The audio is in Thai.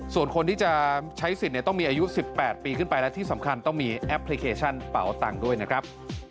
ส่วนคนที่จะใช้สิทธิ์ต้องมีอายุ๑๘ปีขึ้นไปและที่สำคัญต้องมีแอปพลิเคชันเป่าตังค์ด้วยนะครับ